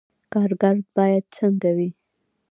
کارګر باید څنګه وي؟